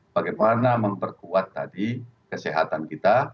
bagaimana memperkuat tadi kesehatan kita